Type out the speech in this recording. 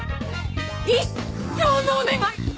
一生のお願い！